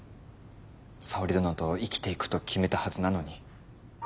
沙織殿と生きていくと決めたはずなのに。